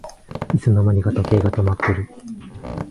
いつの間にか時計が止まってる